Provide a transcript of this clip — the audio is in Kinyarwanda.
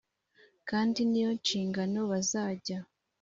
kandi ni yo nshingano bazajya